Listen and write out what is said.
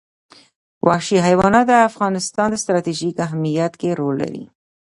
وحشي حیوانات د افغانستان په ستراتیژیک اهمیت کې رول لري.